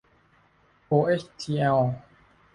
โอเอชทีแอล